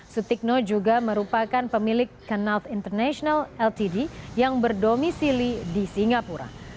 sutikno juga merupakan pemilik kanal international ltd yang berdomisili di singapura